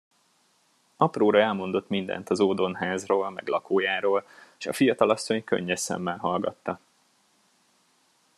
Apróra elmondott mindent az ódon házról meg lakójáról, s a fiatalasszony könnyes szemmel hallgatta.